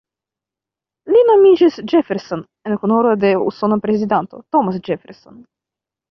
Li nomiĝis "Jefferson" en honoro de usona prezidanto, Thomas Jefferson.